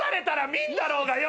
見んだろうがよ！